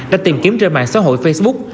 đã tìm kiếm trên mạng xã hội facebook